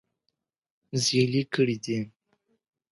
زېلې کړي دي -